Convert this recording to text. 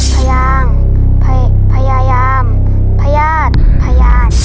พยางพยายามพยาดพยาน